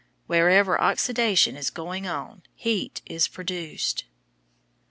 Wherever oxidation is going on, heat is produced.